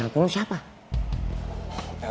telepon lu siapa